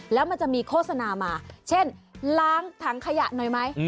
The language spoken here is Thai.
แล้วมันจะมีโฆษณามาเช่นล้างถังขยะหน่อยไหม